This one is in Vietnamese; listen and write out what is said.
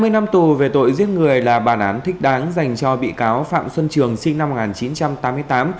hai mươi năm tù về tội giết người là bản án thích đáng dành cho bị cáo phạm xuân trường sinh năm một nghìn chín trăm tám mươi tám